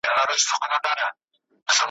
که دي تڼۍ شلېدلي نه وي څوک دي څه پیژني `